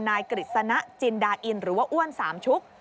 นายกฤษณะจินดาอินหรือว่าอ้วนสามชุก